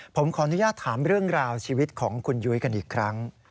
ผมขออนุญาตถามเรื่องราวชีวิตของคุณยุ้ยกันอีกครั้ง